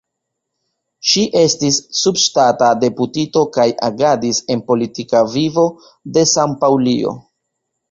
Ŝi estis subŝtata deputito kaj agadis en politika vivo de San-Paŭlio.